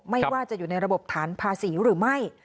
ไม่ว่าจะอยู่ในระบบฐานภาษีหรือไม่